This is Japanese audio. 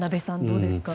どうですか。